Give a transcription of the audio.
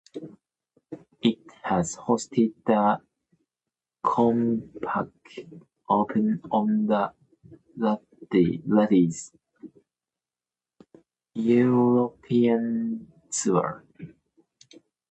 It has hosted the Compaq Open on the Ladies European Tour.